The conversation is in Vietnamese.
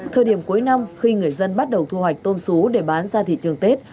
thời điểm cuối năm khi người dân bắt đầu thu hoạch tôm xú để bán ra thị trường tết